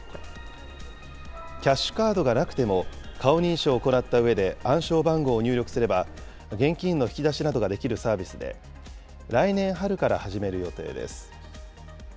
キャッシュカードがなくても、顔認証を行ったうえで、暗証番号を入力すれば、現金の引き出しなどができるサービスで、来年春から始める予定です。